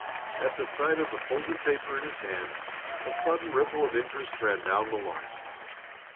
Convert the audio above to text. At the sight of the folded paper in his hand a sudden ripple of interest ran down the line.